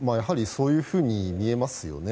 そういうふうに見えますよね。